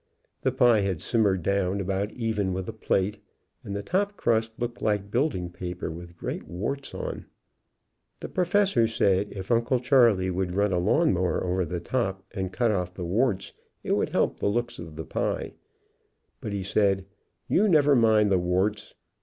The pie had simmered down about even with the plate and the top crust looked like building paper, with great warts on. The Professor said if Uncle Charley would run a lawn mower over the top and cut off the warts it would help the looks of the pie, but he said: "You never mind the warts."